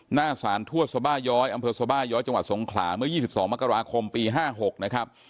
หน้าสารทวดสบาย้อยอำเภอสบาย้อยจังหวัดสงขลาเมื่อ๒๒มกราคมปี๕๖นะครับ